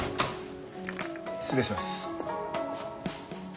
失礼します。